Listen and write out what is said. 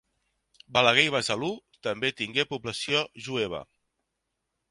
Balaguer i Besalú també tingué població jueva.